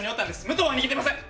武藤は逃げてません。